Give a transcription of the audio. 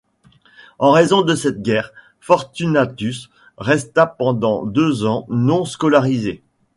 En raison de cette guerre, Fortunatus resta pendant deux ans non scolarisé.